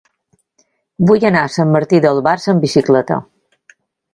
Vull anar a Sant Martí d'Albars amb bicicleta.